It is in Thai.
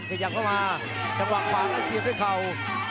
ขยับเข้ามาจังหวะขวางแล้วเสียบด้วยเข่า